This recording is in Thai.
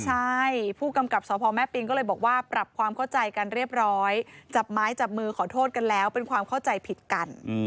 ใช่ผู้กำกับสพแม่ปิงก็เลยบอกว่าปรับความเข้าใจกันเรียบร้อยจับไม้จับมือขอโทษกันแล้วเป็นความเข้าใจผิดกัน